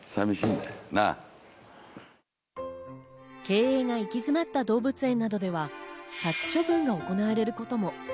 経営が行き詰まった動物園などでは、殺処分が行われることも。